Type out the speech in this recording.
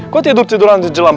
kok tidur tiduran di jelam